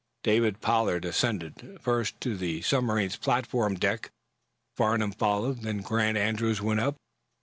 David Pollard ascended, first, to the submarine's platform deck Farnum followed Then Grant Andrews went up.